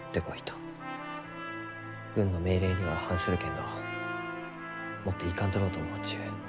軍の命令には反するけんど持っていかんとろうと思うちゅう。